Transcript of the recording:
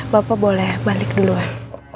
bapak boleh balik duluan